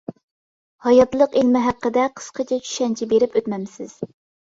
ھاياتلىق ئىلمى ھەققىدە قىسقىچە چۈشەنچە بېرىپ ئۆتمەمسىز.